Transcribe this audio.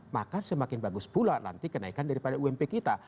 maka semakin bagus pula nanti kenaikan daripada ump kita